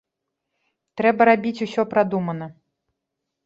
Трэба рабіць усё прадумана.